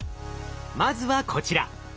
まずはこちら。